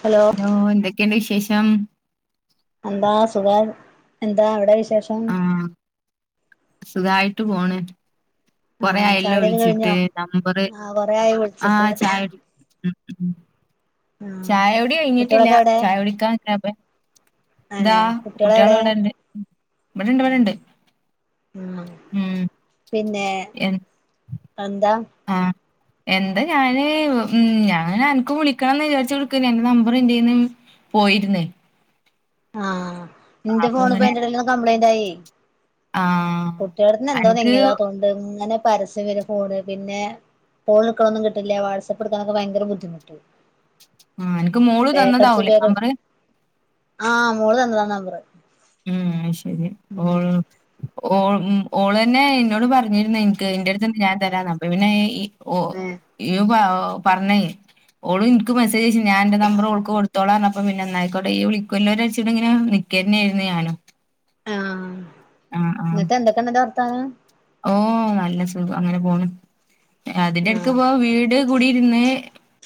Hello ആഹ് എന്തൊക്കെയുണ്ട് വിശേഷം എന്താ സുഖ എന്താ അവിടെ വിശേഷം ആഹ് സുഖായിട്ട് പോണ് കൊറെ ആഹ് ആയല്ലോ ചായുടിയൊക്കെ വിളിച്ചിട്ട് കഴിഞ്ഞോ നമ്പറ് ആഹ് കൊറേ ആയി വിളിച്ചിട്ട് ആഹ് ചായ ഉം ഉം ആഹ് ചായ കുടി കഴിഞ്ഞിട്ടില്ല കുട്ടികളൊക്കെ ചായ കുടിക്കാൻ ഞാപെ ആല്ലേ കുട്ടികളെവിടെ ഇവിടെണ്ട് ഇവിടെണ്ട് ഏഹ് ഉം ഉം പിന്നെ എ എന്താ ആഹ് എന്ത്‌ ഞാന് ഉം ഞാൻ അനക്ക് വിളിക്കണംന്ന് വിചാരിച്ച് നിക്കേര്ന്ന് അന്റെ നമ്പർ എന്റെന്ന് പോയിരുന്നേ ആഹ് ആ, എന്റെ അപ്പൊ ഫോണ് ഇപ്പോ അങ്ങനെ അയ്ന്റെഡെല് ഒന്ന് കംപ്ലൈന്റ് ആയി ആഹ് കുട്ടികടുത്ത്ന്ന് എന്തോ അനക്ക് നെങ്ങിയതാ തോണ്ട് ഇങ്ങനെ പരസ്യം വര് ഫോണ് പിന്നെ ഫോൺ എടുക്കണതൊന്നും കിട്ടില്ല വാട്സ്ആപ്പ് എടുക്കാനൊക്കെ ഭയങ്കര ബുദ്ധിമുട്ട് ആഹ് അനക്ക് മോള് ബേക്കടിച്ച് തന്നതാവൂല്ലേ ബേക്കടിച്ച് നമ്പറ് ആഹ് മോള് തന്നതാ നമ്പറ് ഉം അത് ശരിയ ഉം ഓരോ ഓ ഉം ഓള് തന്നെ എന്നോട് പറഞ്ഞിരുന്ന് എനിക്ക് എന്റെട് ഞാൻ തരാന്ന് അപ്പ പിന്നെ ഈ ഓ ഇയൊ പാവ പറഞ്ഞേ ഓള് എനിക്ക് മെസ്സേ തേച് ഞാ എന്റെ നമ്പർ ഓള്ക്ക് കൊടുത്തോളന്ന് അപ്പം പിന്ന ന്നായിക്കോട്ട ഈ വിളുവല്ലോന്ന് വിചാരിച് ഇങ്ങനെ നിക്കന്നെ ന്നെയാണ് ആഹ് എന്നിട്ട് എന്തൊക്കെയണ്ടന്റെ വർത്താനം ഓ നല്ല സുഖം അങ്ങനെ പോണ് അതിന്റെടുക്ക് ആഹ് ഇപോ വീട് കൂടിയിരുന്ന്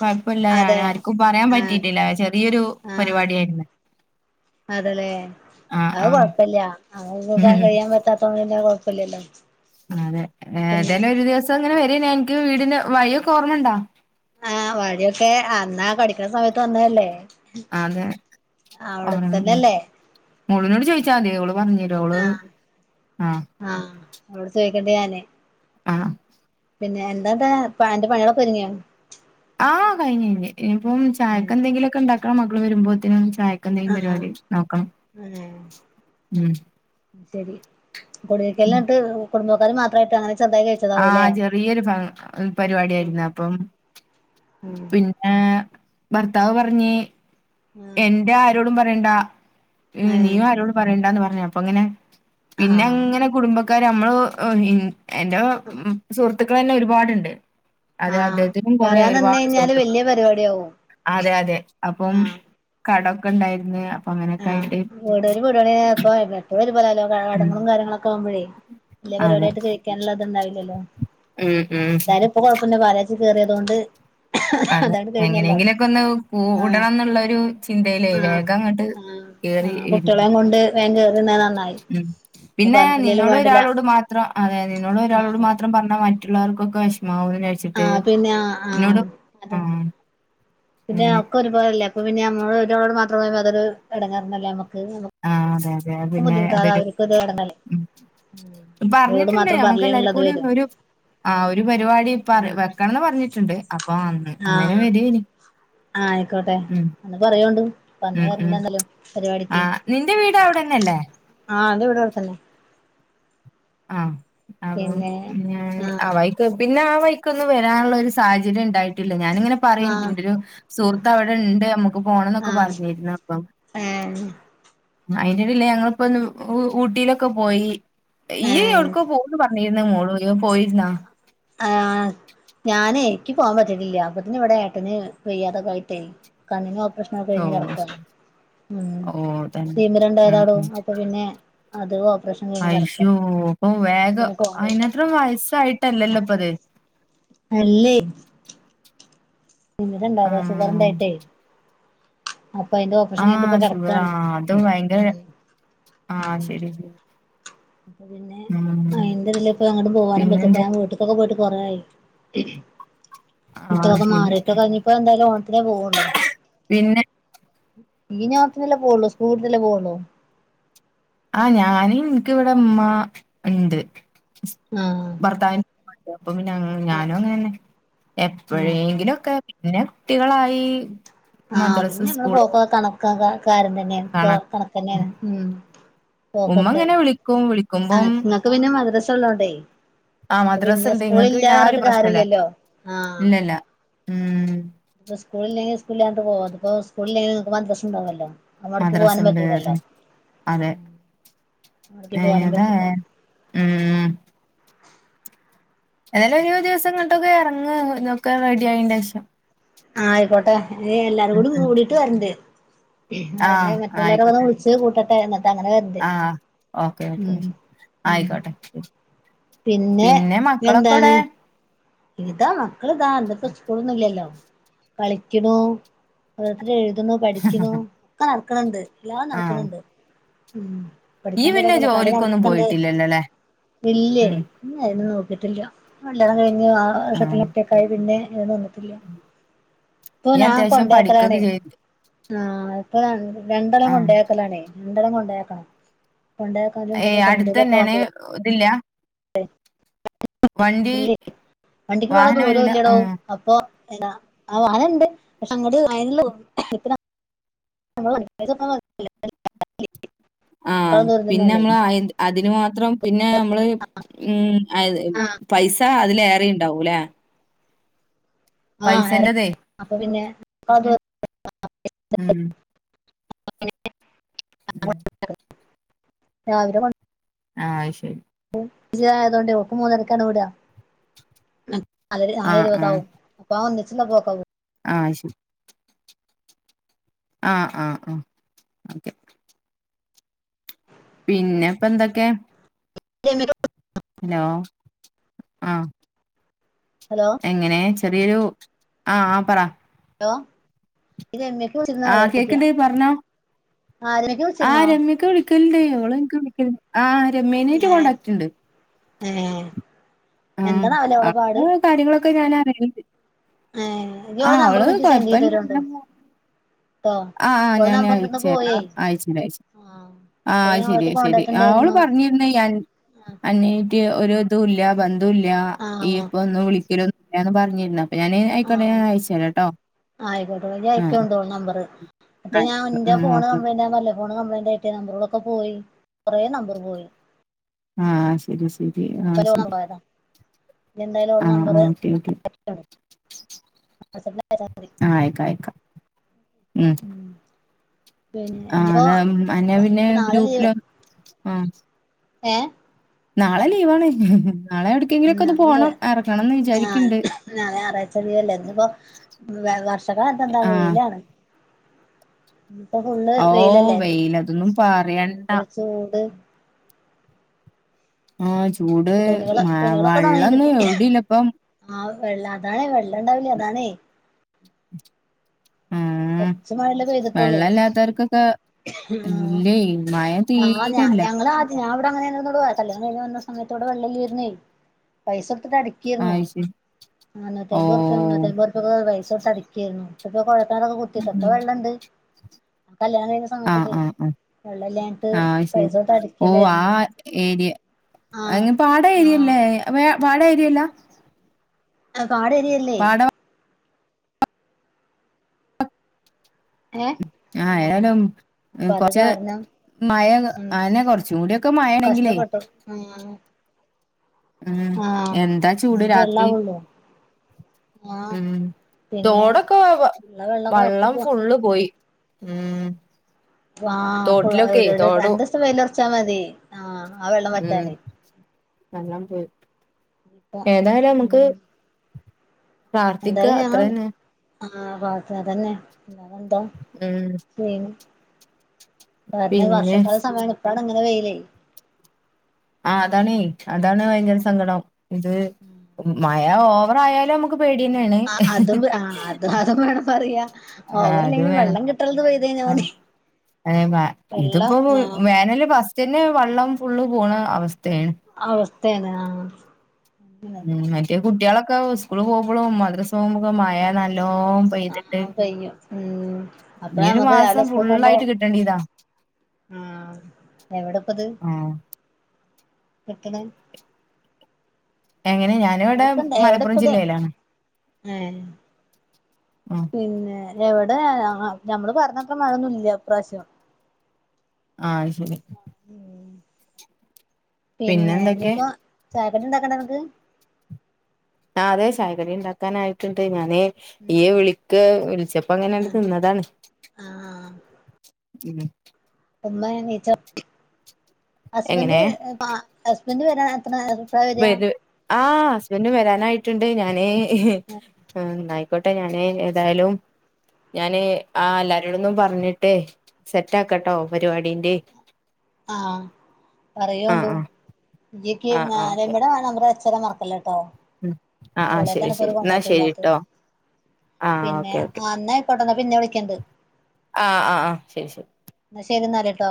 കുപ്പില്ല ഞാൻ അതെ ആർക്കും പറയാൻ ആഹ് പറ്റിട്ടില്ല ചെറിയൊരു പരിപാടി ആരുന്ന് അതെ ലേ അത് കൊഴപ്പില്ല്യ അങ്ങനെ [unintelligible] ഉം കഴിയാൻ പറ്റാത്തവന്ന കൊഴപ്പ പ്പില്ല്യ ലോ അതെ ഏതായാലും ഒരു ദിവസം അങ്ങനെ വരെനെ എനിക്ക് വീടിന്റെ വയിയൊക്കെ ഓർമ്മണ്ടാ? ആഹ് വഴിയൊക്കെ അന്നാ പഠിക്കുന്ന സമയത്ത് വന്ന അല്ലേ? അതെ അവിടത്തന്നെല്ലേ? മോളിനോട് ചോയിച്ചാമ തി അവള് പറഞ്ഞ് തരു അവള് ആഹ്. അവളോട് ചോദിക്കണ്ട് ആഹ്. ഞന്റത പ്പാന്റെ പണികളൊക്കൊരുങ്ങിയോ? ആഹ് കഴിഞ്ഞയിഞ്ഞ് ഇനിപ്പം ചായക്കെന്തേങ്കിലൊക്കെ ഇണ്ടാക്കണം മക്കള് വരുമ്പോത്തിന്. ചായെക്കെന്തേങ്കിലും ആഹ് പരിപാടി നോക്കണം. ഏഹ് ഉം ശരി കുടിരിക്കലിനി ന്നട്ട് കുടുംബക്കാര് മാത്രായിട്ടാണോ ആഹ് ചെറിയൊരു ഫ ഒരു പരിപാടി ആയിരുന്നേ അപ്പം ഉം പിന്നേ ഭർത്താവ് പറഞ്ഞ് ആഹ് എന്റെ ആരോടും പറയണ്ടാ ഉം ഏഹ് നീയും ആരോടും പറയണ്ടാന്ന് പറഞ്ഞ് അപ്പൊങ്ങനെ ആഹ് പിന്നെങ്ങനെ കുടുംബ ക്കാര് മ്മള് ഉം എന്റെ ഉം സുഹൃത്തുക്കളന്നെ ഒരുപാടുണ്ട്. അതെ ആഹ് അദ്ദേഹത്തിനും കൊറെ പറയാൻ നിന്ന് ഒരുപാട് കഴിഞ്ഞാല് സുഹൃത് വല്യ പരിപാടിയാവും അതെ അതെ അപ്പം ആഹ് കടൊക്കെണ്ടായിര്ന്ന് ആഹ് വീടോര് വീടോര് ഇപ്പോ ഇവട്ത്തെ വരും പോലാലോ ഉം കടംങ്ങളും കാര്യങ്ങളൊക്കെ ആവ്മ്പഴേ വല്യേ അതെ പരിപാടിആയിട്ട് കഴിക്കാന്ള്ളത്ണ്ടാവില്ലല്ലോ ഉം ഉം എന്തായ്ലും ഇപ്പൊ കൊഴപ്പല്ല്യ പാലാച്ചി കേറേതോണ്ട് അതെ എങ്ങനെയെങ്കിലൊക്കൊന്ന് ആഹ് കൂടണംന്നുള്ളൊരു ചിന്തയിലേ ആഹ് വേഗംങ്ങട്ട് ആഹ് ആഹ് കുട്ട്യാളേം കൊണ്ട് വേഗം കേറി ന്നത് നന്നായി ഉം അത് പിന്നെ പറഞ്ഞിട്ടില്ലേലും നിന്നോട് വേണ്ടില്ല ഒരാളോട് മാത്രംഅതായ നിന്നോട് ഒരാളോട് ആഹ് മാത്രം പറഞ്ഞാ മറ്റുള്ളവർക്കൊക്കെ വെഷ് മാവോ ന്നേച്ചിട്ട് ആഹ് പിന്നെ ആഹ് ആഹ് ന്നോട് അതെ ആഹ് പിന്നെ അങ്ങനെ ആഹ് ഒക്കെ ഒരുപോലല്ലേ അപ്പ പിന്നെ നമ്മള് ഒരാളോട് മാത്രം പറയുമ്പൊ അതൊരു എടങ്ങാറന്നല്ലേ നമ്മക്ക് നമുക് രെ പിന്നെ അതൊരു ഉം ഇവരോട് പറഞ്ഞിട്ട്ണ്ട് മാത്രം നമുക്ക് എല്ലാര്ക്കും പറഞ്ഞില്ലേന്നുള്ളത് കൂടി വരും ഒരു ആഹ് ഒരു പരിപാടിപ്പ ആഹ് വെക്കണംന്ന് പറഞ്ഞിട്ട്ണ്ട് അപ്പൊ അന്ന് അന്നേരം വരയ്ന് ആഹ് അയിക്കോട്ടെ അന്ന് പറയോണ്ടു അപ്പന്ന് വരണ്ടാണല്ലോ പരിപാടിക്കേ ന്റെ വീട് അവിടെന്നല്ലേ ആഹ് അത് വടെ അട്ത്തന്നെ ആഹ് അവ് പിന്നെ മ്മ് പിന്നെ ആഹ് ഞാനാവയിക്ക് പിന്നെ വയ്ക്കൊന്നും വരാനുള്ള ഒരു സാഹചര്യം ഉണ്ടായിട്ട് ട്ടില്ല ഞാാനങ്ങനെ പറയും ആഹ് എന്റെരു ഉം സുഹൃത്ത് അവടെ ഇണ്ട് നമുക്ക് പോണംന്നൊക്കെ ആഹ് പറഞ്ഞിരുന്നു അപ്പം ഏഹ് അയിന്റടീല് ഞങ്ങളിപ്പൊന്ന് ഊ ഊട്ടിയിലൊക്കെ പോയി ഏഹ് ഇയ്യെവിടുക്കോ പോവുംന്ന് പറ- ഞ്ഞിര്ന്നു മോളും ഇയും പോയിര്ന്നോ ആഹ് ഞാനേ ഇൻക്ക് പോകാൻ പറ്റീട്ടില്ല അപ്പത്തിനിവിടെ ഏട്ടന് വെയ്യാതൊക്കെ ആയിട്ടേ കണ്ണിന് ഓപ് പ്രശ്നൊക്കെ ഓ കഴിഞ്ഞ് കിടക്കാണ് ശരി ഉം ഓ തന്നെ ഉം തിമിരണ്ടായതാടോ ഉം അപ്പൊ പിന്നെ അത് ഓപ്പറേഷം കഴിഞ്ഞ് കെടക്കാ ഓഹ് ഏതോ അയിനാത്രം വയസ്സായിട്ടല്ലല്ലോപ്പത് അല്ലെയ് തിമിരം ആ ഉണ്ടായിരുന്നു ഷുഗർ ഉണ്ടായിട്ട്. ആഹ് ഷുഗറാ കിടക്കാണ് അത് ഭയങ്കര ഉം ആഹ് ശരി ശരി. അപ്പൊ പിന്നെ ഉം അയിന്റെ അതിലിപ്പോ അങ്ങോട്ടും പോവാനും പിന്നെന്താ പറ്റാതെ വീട്ടിലൊക്കെ പോയിട്ട്. കൊറായി ആഹ് ഇതൊക്കെ ശരി മാറിയിട്ടൊക്കെ ഇനിയിപ്പോ എന്തായാലും ഓണത്തിന് പോവുള്ളൂ. പിന്നെ ഈ ഓണത്തിനല്ലേ പോവൊള്ളൂ, സ്കൂൾ വിട്ടിട്ടല്ലേ പോവൊള്ളൂ. ആഹ് ഞാന് എനിക്ക് ഇവിടെ ഉമ്മ ഇണ്ട്. ആഹ് ഭർത്താവിന് അപ്പ പിന്നെ ആഹ് ഞാനും അങ്ങനെ തന്നെ. ആഹ് എപ്പോഴെങ്കിലുമൊക്കെ പിന്നെ കുട്ടികളായി. ആഹ് മദ്രസ് പിന്നെ നമ്മളെ സ്കൂള് പോക്കൊക്കെ കണക്കാ കാ കാരം തന്നെയാ ഇപ്പൊ കാണാൻ കണക്കാ തന്നെയാണ് ഉം. ഉമ്മ അങ്ങനെ വിളിക്കും വിളി ആഹ് ഇങ്ങക്ക് പിന്നെ മദ്രസ ഉള്ളോണ്ടേ. ആഹ് അപ്പ മദ്രസ പിന്നെ ഉണ്ട് ഇങ്ങക്ക് പിന്നെ സ്കൂളില്ലാന്ന് ആ ഒരു പറഞ്ഞിട്ട് പ്രശ്നല്ല കാര്യയില്ലല്ലോ ആഹ്. ഇല്ലല്ല ആഹ് ഉം അപ്പൊ സ്കൂളില്ലെങ്കിൽ സ്കൂളിൽ അങ്ങട്ട് പോവാ, അതിപ്പോ സ്കൂളില്ലെങ്കിൽ ഇങ്ങക്ക് മദ്രസ ഉണ്ടാവുല്ലോ. അങ്ങടേക്ക് മദ്രസ പോവാനും ഉണ്ട് പറ്റൂല്ലല്ലോ, അതെ അതെ ഉം അങ്ങടേക്ക് പോവാനും പറ്റൂ ഏതാ പറ്റില്ല ഉം ഏതായാലും ഒരു ദിവസം ഇങ്ങോട്ടൊക്കെ ഇറങ്ങ് ഒക്കെ റെഡിയായി ശേഷം. ആയിക്കോട്ടെ എല്ലാരും ഉം കൂടി ഉം കൂടിട്ട് വരുണ്ട്. ആഹ് അവരെല്ലാം മറ്റുള്ളവരെ ആയിക്കോട്ടെ വിളിച്ച് കൂട്ടട്ടെ അങ്ങനെ. അങ്ങനെ വരുണ്ട് ആഹ് ഓക്കെ ഓക്കെ ഉം ഉം. ആയിക്കോട്ടെ പിന്നെ മക്കളൊക്കെ ഇവിടെ എന്താണ്. ഇതാ മക്കള് ഇതാ ഇന്നിപ്പോ സ്കൂൾ ഒന്നുമില്ലല്ലോ കളിക്കുന്നേ. ഇവരെ എഴുതുന്നു പഠിക്കുന്നു ഒക്കെ നടക്കണണ്ട് എല്ലാം ആ നടക്കണണ്ട് ഉം. ഈ പഠിക്കാൻ പിന്നെ ഇടയിൽ അല്ലേ കളി ജോലിക്കൊന്നും നടക്കുന്നുണ്ട്, പോയിട്ടില്ലല്ലോ അല്ലെ ഇല്ലേ ഉം ഇന്നായിരുന്നു. വിട്ടിട്ടില്ല, കല്യാണം കഴിഞ്ഞു ആഹ് ആ വർഷത്തിൽ ഒറ്റയ്ക്കായി പിന്നെ ഇങ്ങ് പോന്നു. ഇപ്പൊ ഈ ഞാൻ അത്യാവശ്യം കൊണ്ടേക്കലാണ് പഠിക്കൊക്കെ ചെയ്ത് ആഹ് അക്ക രണ്ടെളം ആ കൊണ്ടയാക്കലാണേ രണ്ടെളം കൊണ്ടയാക്കണം കൊണ്ടയാക്കാനും പിന്നെ ഏയ് അടുത്ത തന്നെയാണ് ഇതില്ല വണ്ടി ഇല്ല വണ്ടിക്ക് പോണേ വാഹനം ദൂരവും വരൂല ഇല്ലടോ ആ അപ്പൊ ആ വാനുണ്ട് പക്ഷെ അങ്ങോട്ട [unintelligible] ഇത്ര [unintelligible] ആഹ് ദൂരം പിന്നെ തന്നെയുള്ളേ നമ്മൾ അതിന് മാത്രം പിന്നെ നമ്മള് ഉം പൈസ അതിലേറെുണ്ടാവൂല്ലേ ആഹ് ഏറിം അപ്പൊ പിന്നെ ഉം അപ്പൊ പിന്നെ രാവിലെ കോ ആഹ് അയ്ശരി ആയതോണ്ട് ഓക്ക് മൂന്നരക്കാണ് വിട ന ആ നാല് ഇരുപതാാവും അപ്പ ഒന്നിച്ചില്ല പോക്കാവ ആഹ് അയ്ശരി ആഹ് ആഹ് ആഹ് ഓക്കെ പിന്നെ ഇപ്പൊ എന്തൊക്കെ ആഹ് ഹലോ എങ്ങനെ ചെറിയൊരു ആഹ് ആഹ് പറ ലോ രമ്യക്ക് വിച്ചി ആഹ് അറിയ കേക്ക്ണ്ട് പറഞ്ഞോ ആഹ് രമ്യക്ക് വിളിച്ചിരുന്നോ ക്കണ്ട് ഓള ആഹ് രമ്യനായിട്ട് ഏഹ് കോണ്ടാക്റ്റ് ഉണ്ട് ഏഹ് ആഹ് എന്താണാവല്ലേ ഓളെ പാട് അവടെ കാര്യങ്ങളൊക്കെ ഞാൻ അറിയല്ണ്ട് ഏഹ് ഇയ്യ് ഓളെ ആഹ് അവള് നമ്പറൊന്നെനിക്ക് സെൻഡ് ചെയ്ത് കൊഴപ്പല്ല തരോണ്ടു ഇങ്ങനെ പോണൂ ട്ടോ ആഹ് ആഹ് ഓളെ ഞാൻ നമ്പർ എന്റെന്ന് അയച്ചേരാ പോയേ അയ [inaudible] ആഹ് ആഹ് മറ്റേ അത് ഞാൻ ശരി ഓളെറ്റ് ശരി കോണ്ടാക്ട് ആ ഓള് ഇണ്ടായിരുന്നു പറഞ്ഞിര്ന്ന് എൻ അന്നീറ്റ് ഒരു തുല്ല്യ ബന്ധൂല്ല്യ. ഇയ് ആഹ് ഇപ്പൊ ഒന്നും വിളിക്കലൊ [unintelligible] പറഞ്ഞി ര്ന്നു. [unintelligible] ഞാന് അയ്ക്കോട്ടെ ആഹ് ഞാൻ അയച്ചരാ ട്ടോ. ആയിക്കോട്ടെ ഇജ് അയക്കോണ്ടൂ ഓളെ നമ്പറ് മറ്റേത് ആഹ് ഞാൻ ഇന്റെ ഉം ഫോണ് ഓക്കെ കംപ്ലെയ്ൻ്റാന്നല്ലോ ഫോണ് കപ്ലൈന്റ് ആയ്ട്ട് നമ്പറോളൊക്കെ പോയി കൊറേ നമ്പറ് പോയി. ആഹ ശരി ശരി ശരി അപ്പൊ ആഹ അയില് ഓളെ ശരി നമ്പർ പോയതാ ആഹ ഓക്കെ ഓക്കെ അ ആഅയക്കാം, അയക്കാം ഉം പിന്നെ ഇഞ്ഞിപ്പോ ആതാ അന്ന പിന്നെ ഇപ്പൊ ഗ്രൂപ്പില ആഹ ഏ നാളെ ലീവാണേ ഉ നല്ല ആഹ വിചാരിക്ക്ണ്ട് നാളെ ഞായറാഴ്ച ലീവ് അല്ലേ ഇന്ന് ഇപ്പോ വർഷകാറ്റെന്താ ആ വെയിലാണ് ഇപ്പൊ ഫുള്ള് ഓ വെയിലല്ലേ വെയില് അതൊന്നും പറയണ്ട എന്തൊരു ചൂട് ആഹ ചൂട് തുണികള് തുണികളൊക്കെ വെള്ളൊന്നും എവിടല്ല ഇപ്പം വെല്ലാതായാ വെള്ളണ്ടാവില്ലേ അതാണേ ആ... കൊറച്ച് മഴല്ലേ പെയ്തിട്ടുള്ളൂ വെള്ളല്ലാത്തവർക്കൊക്കെ ആഹ് ഇല്ലയ് ആഹ് ഞാ ഞങ്ങള ആദ്യ- ഇപ്പങ്ങനെണ്നൊളു കല്യാണ കഴിഞ്ഞ് വന്ന സമയത്ത് ഇവടെ വളമായിനേയ് പൈസ- അടിക്കിയിരുന്നു അയ് ശരി ഓ നാന്നൂറ്റമ്പതുർ പ്യ മുന്നൂറ്റൈമ്പതുർപ്യ ഒക്കെ പൈസ കൊട്ത്തക്കായിഞ്ഞു ഇപ്പ കുഴക്കാാനൊക്കെ കുത്തിയിട്ടപ്പ ഉം. വെള്ളണ്ട് കല്യാണം വുന്ന സമത്തക്ക വെള്ളല്ലേ ആഹ ശരി. ഓ ആ ഏരിയ. ആഹ് എങ് പാട ഏരിയല്ലേ ആഹ് പാട ഏരിയല്ല പാടേരിയല്ലെ പാട ഏ ആ ഏതായാലും കൊറച്ച് മഴ ഉം അനെ കൊറച്ചും കൂടൊക്കെ മഴേണങ്കിലേ കഷ്ടപ്പെട്ടു ഉം ഉം ആഹ് എന്താ ചൂട് നമുക്ക് രാത്രി വെള്ളാവുള്ളൂ ആഹ് ഉം പിന്നെ തോടൊക്കെ ഉള്ള വെള്ളൊക്കെ വറ്റി വള്ളം പോ ഫുള്ള് പോയി മ്മ്.. ആഹ് ഫുള് ഒരുരു രണ്ടൂസം വെയ്ലർച്ചാ മതി ആഹ വെള്ളം ഉം വറ്റാന് വെള്ളം പോയി ഇപ്പൊ ഏതായാലും നമുക്ക് ഉം പ്രാർത്ഥിക്കാ അത്രന്നെ. ആഹ വ അതന്നെ വേറന്താ ഉം വരണ് പിന്നെ വർഷക്കാല സമയമാണ് ഇപ്പഴാണ് ഇങ്ങനെ വെയിലേ ആ അതാണ് അതാണ് ഭയങ്കര സങ്കടം. ഇത് മഴ ഓവർ ആയാലും നമുക്ക് പേടിന്നേണ് ആ ഓവർല്ലെങ്കിലും വെള്ളം കിട്ണത് ആ പെയ്താമതി അതെ വ ഇതിപ്പോ വേനല് ഫസ്റ്റ് തന്നെ വെള്ളം ഫുള്ള് പോണ അവസ്ഥ അവസ്ഥയാണ് ഉ മറ്റേ കുട്ടികളൊക്കെ സ്കൂള പോകുമ്പോഴും മ- പോകുമ്പോ മഴ നല്ലോം ആ പെയ്തിട്ട് ആ പെയ്യും ഉം ഈ അപ്പഴാ ഒരു നമുക്ക് മാസം ഫുള്ളായിട്ട് കിട്ടേണ്ട ഇതാ ആഹ എവിടെപ്പത് ആഹ് കിട്ടണേ എങ്ങനെ ഞാനിവിടെ നിക്കണ്ടാ മലപ്പുറം എവിടെപ്പ ജില്ലയിലാണ് ആഹ ആഹ് പിന്നെ എവിടെ നഞമ്മള് പറഞ്ഞത്ര മഴൊന്നും ഇല്ല ഇപ്രാവ്ശ്യം ആഹ ശരി ഉ പിന്നെ ഇനിയിപ്പോ ഇണ്ടാകണ്ടെ ഇങ്ങക്ക് ആ അതെ ചായകടി ഇണ്ടാക്കാനയിട്ണ്ട് ഞാനേ ഈ വിളിക്ക്. വിളിച്ച- അപ്പ അങ്ങനെയാണ് ആ നിന്നതാണ് ആ ഉമ്മ എണീറ്റോ ഹസ്ബൻഡ് എങ്ങനെ ഹസ്ബന്ഡ് വരാൻ അപ്പ വരാ ഹസ്ബൻഡും വരാനായിട്ടുണ്ട് ആ ഞാനേന്നായിക്കോട്ടെ ഞാനേ ഏതായാലും ഞാന് ആ എല്ലാരോടൊന്നും പറഞ്ഞിട്ടേ സെറ്റ് ആക്കട്ടോ പരിപാടീന്റെ ആഹ ആഹ് പറയണ്ടു ആഹ് വിജക്ക്ട ആഹ് ന ആഹ് ഇര മറക്കല്ല കേട്ടോ ഉം ആ ആ ശരി ഓളത്താണ് ഇപ്പോ ശരി ഒരു എന്നാ കോണ്ടാക്ട് ഇല്ലാത്ത ശരിട്ടോ ആ പിന്നെ ഓക്കെ ഓക്കെ എന്നന്നാായിയിക്കോട്ടെന്നപ്പന്നെ വിളിക്കണ്ട് ആ ആ ആ ശരി ശരി എന്നാ ശരി എന്നാല് ട്ടോ